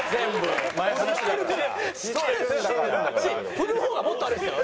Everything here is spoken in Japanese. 振る方がもっと悪いですよ。